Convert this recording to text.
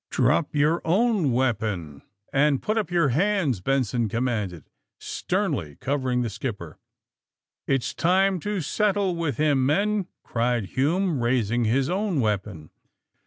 '' ^^Drop your own weapon, and put up your hands,'' Benson commanded sternly, covering the skipper. It's time to settle with him, men!" cried Hume, raising his own weapon.